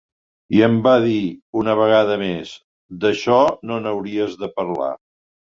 I em van dir, una vegada més: d’això no n’hauries de parlar.